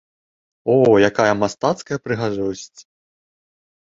О, якая мастацкая прыгажосць!